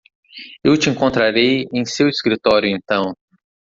Eu te encontrarei em seu escritório então.